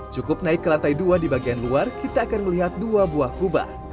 cukup naik ke lantai dua di bagian luar kita akan melihat dua buah kubah